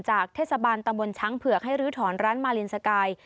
จากเทศบาลตำบลช้างเผือกให้ลื้อถอนร้านมาลินสกาย